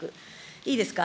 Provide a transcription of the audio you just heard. いいですか。